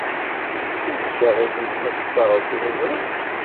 Ulac aɣilif ma tessaɣeḍ tiliẓri?